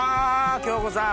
恭子さん。